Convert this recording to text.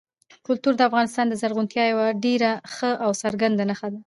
کلتور د افغانستان د زرغونتیا یوه ډېره ښه او څرګنده نښه ده.